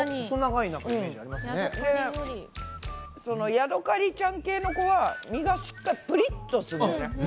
ヤドカリちゃん系の子は身がしっかりプリっとするんだよね。